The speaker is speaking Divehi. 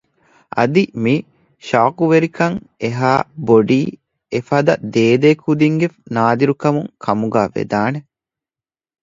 އަދި މި ޝައުޤުވެރިކަން އެހާ ބޮޑީ އެފަދަ ދޭދޭ ކުދިންގެ ނާދިރު ކަމުން ކަމުގައި ވެދާނެ